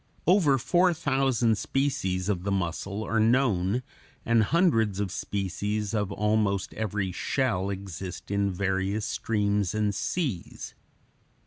Over four thousand species of the mussel are known, and hundreds of species of almost every shell exist in various streams and seas.